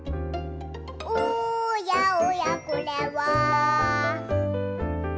「おやおやこれは」